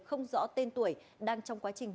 không rõ tên tuổi đang trong quá trình